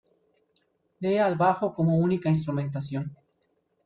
Lee al bajo como única instrumentación.